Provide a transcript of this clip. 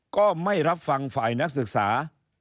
ก็ไม่รับฟังฝ่ายนักศึกษา